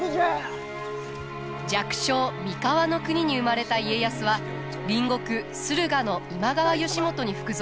弱小三河国に生まれた家康は隣国駿河の今川義元に服属。